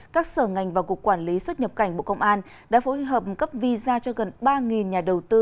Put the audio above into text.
các sở ngành và cục quản lý xuất nhập cảnh bộ công an đã phối hợp cấp visa cho gần ba nhà đầu tư